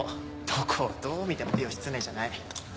どこをどう見ても義経じゃない。